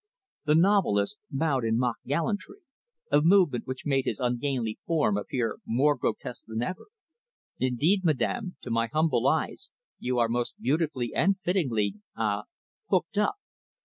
The novelist bowed in mock gallantry a movement which made his ungainly form appear more grotesque than ever. "Indeed, madam, to my humble eyes, you are most beautifully and fittingly ah hooked up."